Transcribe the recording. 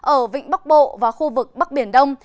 ở vịnh bắc bộ và khu vực bắc biển đông